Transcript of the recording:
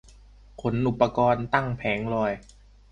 ขนอุปกรณ์ตั้งแผงลอย